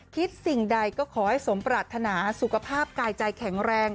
คิดสิ่งใดก็ขอให้สมปรารถนาสุขภาพกายใจแข็งแรง